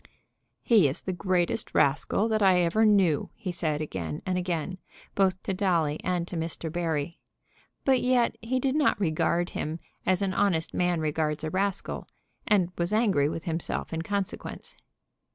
"He is the greatest rascal that I ever knew," he said again and again, both to Dolly and to Mr. Barry. But yet he did not regard him as an honest man regards a rascal, and was angry with himself in consequence.